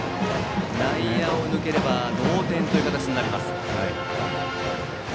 内野を抜ければ同点という形になります。